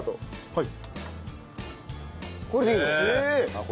はい。